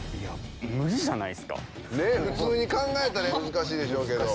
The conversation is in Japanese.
ねっ普通に考えたら難しいでしょうけど。